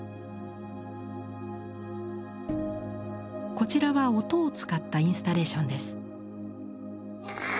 こちらは音を使ったインスタレーションです。